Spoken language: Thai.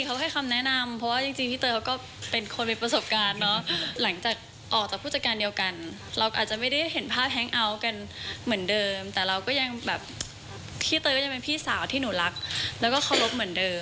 เขาให้คำแนะนำเพราะว่ายัง